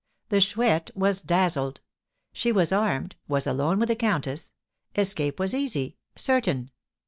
The Chouette was dazzled. She was armed, was alone with the countess; escape was easy certain.